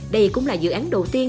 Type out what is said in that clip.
đây cũng là dự án đầu tiên